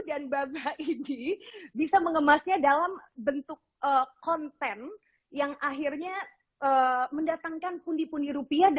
assalamualaikum wr wb